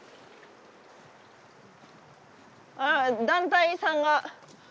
ああ団体さんが。